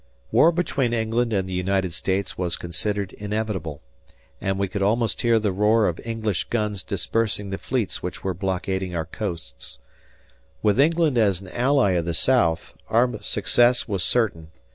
War between England and the United States was considered inevitable, and we could almost hear the roar of English guns dispersing the fleets which were blockading our coasts. With England as an ally of the South our success was certain.